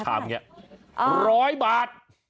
ชามนี้๑๐๐บาท